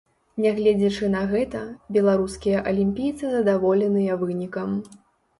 Нягледзячы на гэта, беларускія алімпійцы задаволеныя вынікам.